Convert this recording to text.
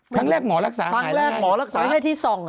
ครั้งแรกหมอรักษาหายแล้วไงไม่ได้ที่ส่องอะไม่ได้ที่ส่อง